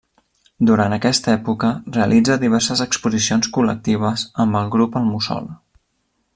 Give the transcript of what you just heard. Durant aquesta època realitza diverses exposicions col·lectives amb el grup El Mussol.